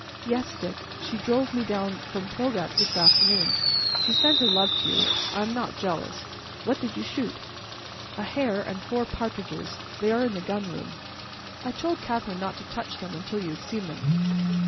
"Yes, Dick; she drove me down from Plougat this afternoon. She sent her love to you. I am not jealous. What did you shoot?" "A hare and four partridges. They are in the gun room. I told Catherine not to touch them until you had seen them."